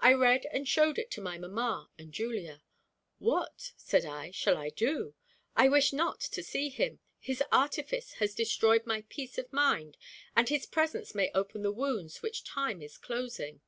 I read and showed it to my mamma and Julia. "What," said I, "shall I do? I wish not to see him. His artifice has destroyed my peace of mind, and his presence may open the wounds which time is closing."